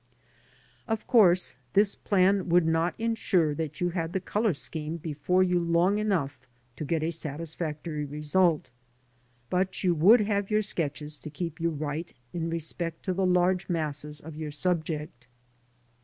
Of course, this plan would not insure that you had the colour scheme before you long enough to get a satisfactory result, but you would have your sketches to keep you right in respect to the large masses of your subject.